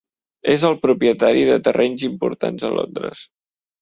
És el propietari de terrenys importants a Londres.